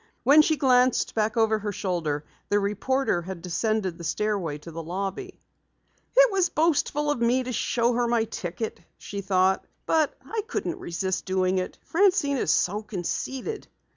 When she glanced back over her shoulder the reporter had descended the stairway to the lobby. "It was boastful of me to show her my ticket," she thought. "But I couldn't resist doing it. Francine is so conceited."